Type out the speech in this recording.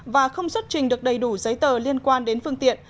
và không xuất trình được đầy đủ giấy tờ liên quan đến phương tiện